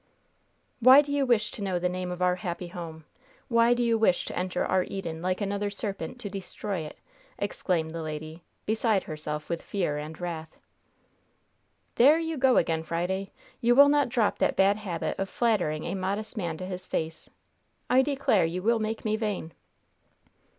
"Why do you wish to know the name of our happy home? Why do you wish to enter our Eden, like another serpent, to destroy it?" exclaimed the lady, beside herself with fear and wrath. "There you go again, Friday! You will not drop that bad habit of flattering a modest man to his face. I declare you will make me vain."